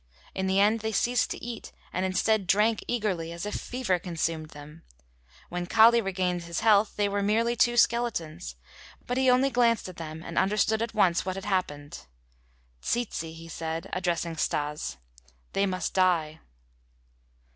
In the end they ceased to eat and instead drank eagerly, as if fever consumed them. When Kali regained his health they were merely two skeletons. But he only glanced at them and understood at once what had happened. "Tsetse!" he said, addressing Stas. "They must die."